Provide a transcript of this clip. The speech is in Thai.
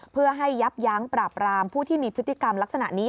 เพื่อให้ยับยั้งปราบรามผู้ที่มีพฤติกรรมลักษณะนี้